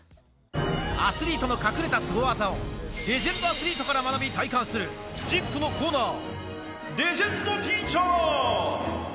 アスリートの隠れたすご技を、レジェンドアスリートから学び、体感するＺＩＰ！のコーナー、レジェンドティーチャー。